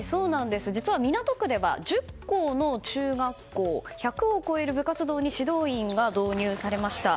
実は港区では１０校の中学校１００を超える部活動に指導員が導入されました。